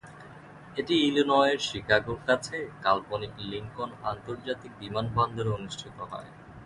এটি ইলিনয়ের শিকাগোর কাছে কাল্পনিক লিঙ্কন আন্তর্জাতিক বিমানবন্দরে অনুষ্ঠিত হয়।